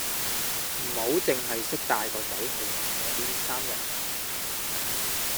唔好淨係識帶個仔去埋嗰啲三日兩夜美食團